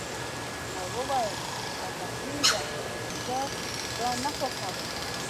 ما وویل: خفه کیږم، زه دا نه خوښوم.